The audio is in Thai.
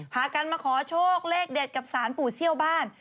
พากันมาขอโชคเลขเด็ดกับสารปู่เซี่ยวบ้าน